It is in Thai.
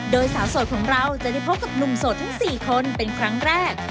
โดยสาวโสดของเราจะได้พบกับหนุ่มโสดทั้ง๔คนเป็นครั้งแรก